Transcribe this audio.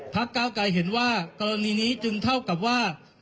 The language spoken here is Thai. ก้าวไกรเห็นว่ากรณีนี้จึงเท่ากับว่า